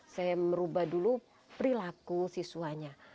saya merubah dulu perilaku siswanya